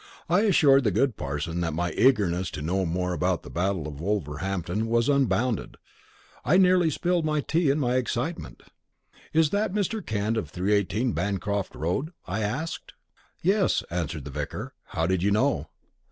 I assured the good parson that my eagerness to know more about the Battle of Wolverhampton was unbounded. I nearly spilled my tea in my excitement. "Is that Mr. Kent of 318, Bancroft Road?" I asked. "Yes," answered the vicar. "How did you know?"